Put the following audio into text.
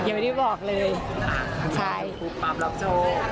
นะครับทุกภาพรับโจทย์